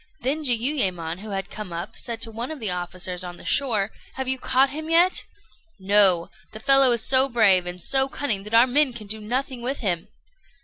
Then Jiuyémon, who had come up, said to one of the officers on the shore "Have you caught him yet?" "No; the fellow is so brave and so cunning that our men can do nothing with him."